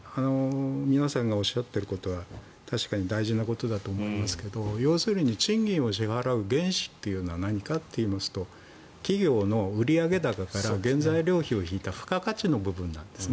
皆さんがおっしゃっていることは確かに大事なことだと思いますけど要するに、賃金を支払う原資というのは何かといいますと企業の売上高から原材料費を引いた付加価値の部分なんですね。